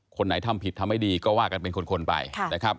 คนไหนทำผิดทำไม่ดีก็ว่ากันเป็นคนไปนะครับ